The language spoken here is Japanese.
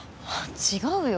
違うよ